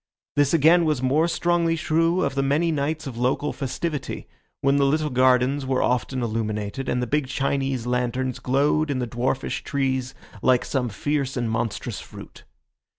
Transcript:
This again was more strongly true of the many nights of local festivity, when the little gardens were often illuminated, and the big Chinese lanterns glowed in the dwarfish trees like some fierce and monstrous fruit.